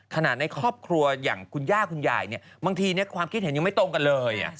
ในครอบครัวอย่างคุณย่าคุณยายบางทีความคิดเห็นยังไม่ตรงกันเลย